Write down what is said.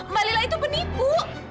mbak lila itu penipu